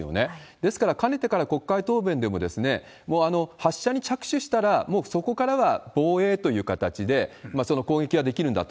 ですから、かねてから国会答弁でも、発射に着手したら、もうそこからは防衛という形で、その攻撃ができるんだと。